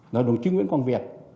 là đồng chí nguyễn quang việt